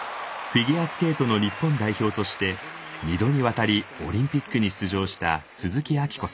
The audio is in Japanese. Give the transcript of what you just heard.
フィギュアスケートの日本代表として２度にわたりオリンピックに出場した鈴木明子さん。